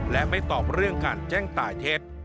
และไม่ตอบเรื่องการแจ้งตายเท็จ